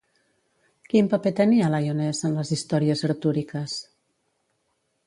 Quin paper tenia, Lyonesse, en les històries artúriques?